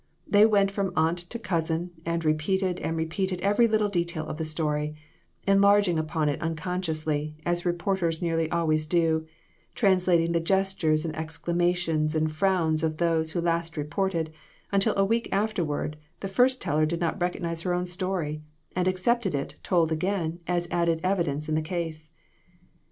They went from aunt to cousin and repeated and repeated every little detail of the story; enlarging upon it unconsciously, as reporters nearly always do, translating the gestures and exclamations and frowns of those who last reported, until, a week afterward, the first teller did not recognize her own story, and accepted it, told again, as added evidence in the case.